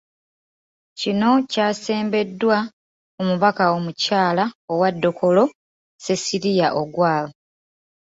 Kino kyasembeddwa omubaka omukyala owa Dokolo Cecilia Ogwal.